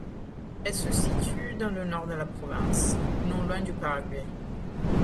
Elle se situe dans le nord de la province, non loin du Paraguay.